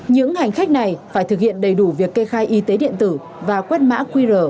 những hành khách này phải thực hiện đầy đủ việc kê khai y tế điện tử và quét mã qr